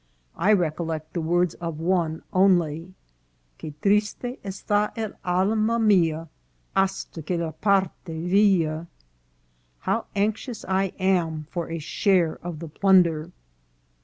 I recollect the words of one only :' Que trista esta el alma mea Hasta que la parte vea.' How anxious I am for a share of the plunder."